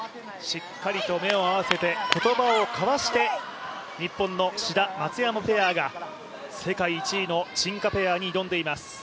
しっかりと目を合わせて言葉を交わして日本の志田・松山ペアが世界１位の陳・賈ペアに挑んでいます。